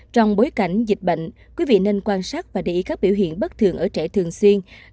trong bối cảnh dịch bệnh quý vị nên quan sát và để ý các biểu hiện bất thường ở trẻ thường xuyên